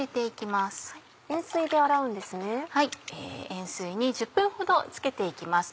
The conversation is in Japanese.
塩水に１０分ほどつけて行きます。